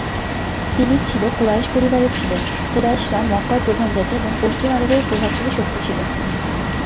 তিনি ছিল কুরাইশ পরিবারের ছিলেন, কুরাইশরা মক্কার প্রধান জাতি এবং পশ্চিম আরবের প্রভাবশালী শক্তি ছিল।